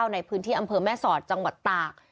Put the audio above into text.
ในพื้นที่อำเภอแม่สอดจังหวัดตาก